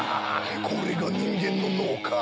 これが人間の脳か！